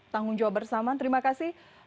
tanggung jawab bersama terima kasih